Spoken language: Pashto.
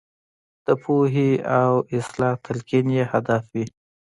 د پوهې او اصلاح تلقین یې هدف وي.